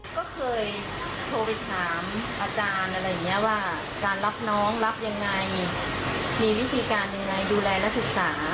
ก็เคยโทรไปถามอาจารย์อะไรอย่างนี้ว่าการรับน้องรับยังไงมีวิธีการยังไงดูแลและศึกษา